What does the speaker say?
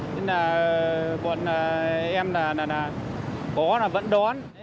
nên là còn em là là là có là vẫn đón